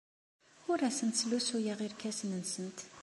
Ur asent-slusuyeɣ irkasen-nsent.